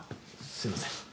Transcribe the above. すいません。